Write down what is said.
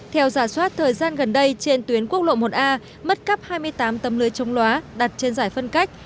theo giả soát thời gian gần đây trên tuyến quốc lộ một a mất cắp hai mươi tám tấm lưới chống loá đặt trên giải phân cách